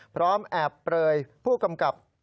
พร้อมแอบเปลยผู้กำกับ